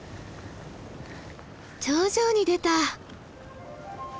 頂上に出た！